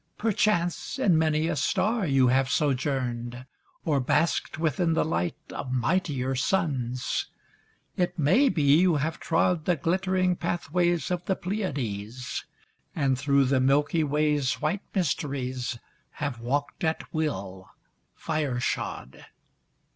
perchance in many a star You have sojourned, or basked within the light Of mightier suns; it may be you have trod The glittering pathways of the Pleiades, And through the Milky Way's white mysteries Have walked at will, fire shod.